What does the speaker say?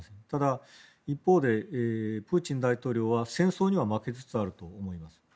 ただ、一方でプーチン大統領は戦争には負けつつあると思います。